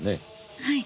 はい。